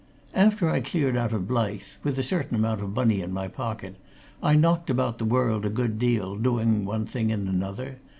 After I cleared out of Blyth with a certain amount of money in my pocket I knocked about the world a good deal, doing one thing and another.